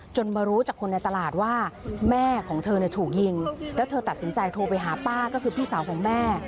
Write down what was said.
มารู้จากคนในตลาดว่าแม่ของเธอถูกยิงแล้วเธอตัดสินใจโทรไปหาป้าก็คือพี่สาวของแม่